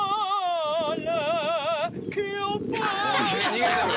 逃げてる！